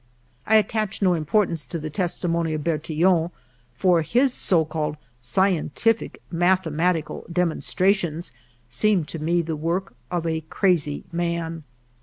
I attached no importance to the testimony of Bertillon, for his so called scientific mathe matical demonstrations seemed to me the work of a crazy man.